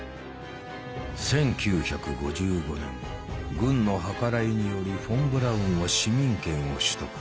軍の計らいによりフォン・ブラウンは市民権を取得。